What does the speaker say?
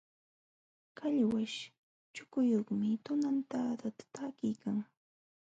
Qallwaśh chukuyuqmi tunantadata takiykan.